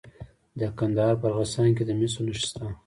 د کندهار په ارغستان کې د مسو نښې شته.